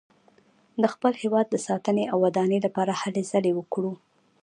د خپل هېواد ساتنې او ودانۍ لپاره هلې ځلې وکړو.